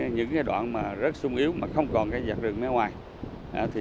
những đoạn rất sung yếu mà không còn giặt rừng máy hoài